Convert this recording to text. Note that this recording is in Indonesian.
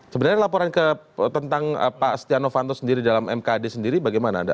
sebenarnya laporan tentang pak siti anufanto sendiri dalam mkad sendiri bagaimana